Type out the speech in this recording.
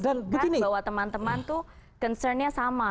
untuk memastikan bahwa teman teman tuh concernnya sama